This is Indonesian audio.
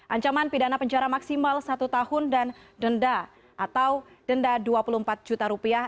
ancaman pidana penjara maksimal satu tahun dan denda atau denda dua puluh empat juta rupiah